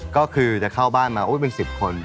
ก็คือจะเข้าบ้านมาเป็น๑๐คน